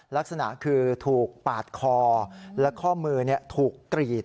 ลักษณะคือถูกปาดคอและข้อมือถูกกรีด